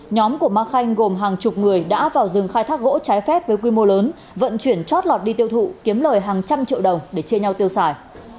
nhóm của ma khanh gồm hàng chục người đã vào rừng khai thác gỗ trái phép với quy mô lớn vận chuyển chót lọt đi tiêu thụ kiếm lời hàng trăm triệu đồng để chia nhau tiêu xài